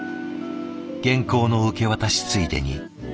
原稿の受け渡しついでに。